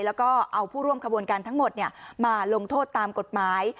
แล้วก็เอาผู้ร่วมขบวนการทั้งหมดมาลงโทษตามกฎหมาย